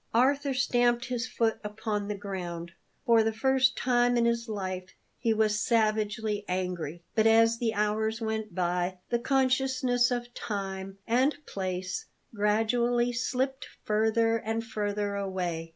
Arthur stamped his foot upon the ground. For the first time in his life he was savagely angry. But as the hours went by, the consciousness of time and place gradually slipped further and further away.